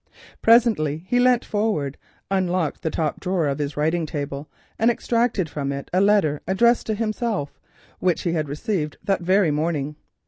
Presently he leant forward, unlocked the top drawer of his writing table, and extracted from it a letter addressed to himself which he had received that very morning.